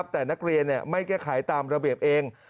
แต่นักเรียนไม่แก้ไขตามระเบียบเอง